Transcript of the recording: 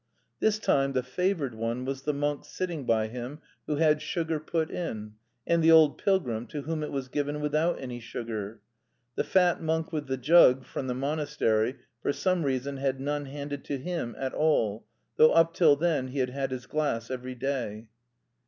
This time the favoured one was the monk sitting by him, who had sugar put in; and the old pilgrim, to whom it was given without any sugar. The fat monk with the jug, from the monastery, for some reason had none handed to him at all, though up till then he had had his glass every day.